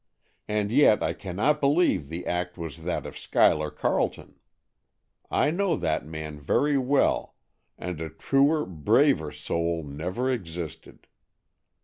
And yet I cannot believe the act was that of Schuyler Carleton. I know that man very well, and a truer, braver soul never existed."